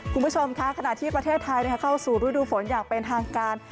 คุณผู้ชมค่ะขณะที่ประเทศไทยเข้าสู่ฤดูฝนอย่างเป็นทางการ